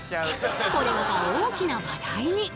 これまた大きな話題に！